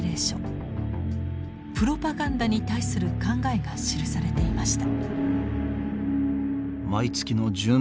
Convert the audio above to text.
プロパガンダに対する考えが記されていました。